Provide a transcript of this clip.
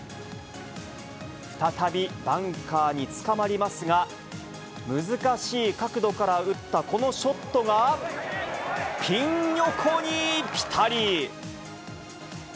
再びバンカーにつかまりますが、難しい角度から打ったこのショットが、ピン横にぴたり。